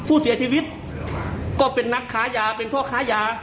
ผู้เสียชีวิตก็เป็นนักค้ายาเป็นพ่อค้ายา